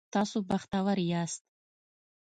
تاسو بختور یاست